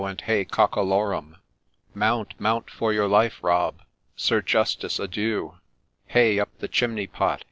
and Hey Cockalorum I Mount, mount for your life, Rob !— Sir Justice, adieu !—— Hey up the chimney pot